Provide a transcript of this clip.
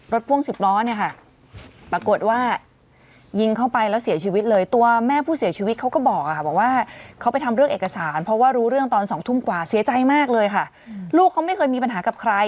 รถพ่วงสิบล้อเนี่ยค่ะปรากฏว่ายิงเข้าไปแล้วเสียชีวิตเลย